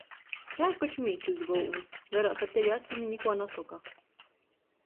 Tēs koč mītu iz golvys! Verās ar teļa acim i nikuo nasoka.